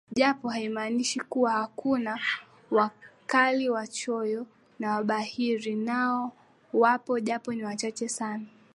Japo haimanishi kuwa hakuna wakaliwachoyo na wabahiri Nao wapo japo ni wachache sana